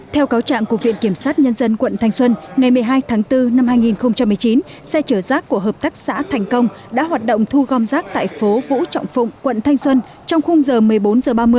theo cáo trạng của viện kiểm sát nhân dân quận thanh xuân ngày một mươi hai tháng bốn năm hai nghìn một mươi chín xe chở rác của hợp tác xã thành công đã hoạt động thu gom rác tại phố vũ trọng phụng quận thanh xuân trong khung giờ một mươi bốn h ba mươi